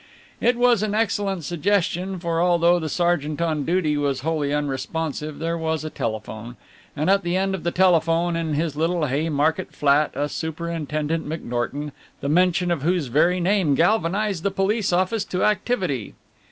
It was an excellent suggestion, for although the sergeant on duty was wholly unresponsive there was a telephone, and at the end of the telephone in his little Haymarket flat, a Superintendent McNorton, the mention of whose very name galvanized the police office to activity.